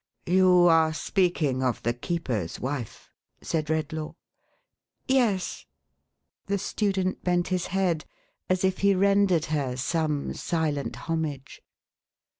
" You are speaking of the keeper s wife," said Redlaw. " Yes." The student bent his head, as if he rendered her some silent homage.